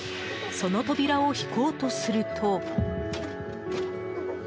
その扉を引こうとすると。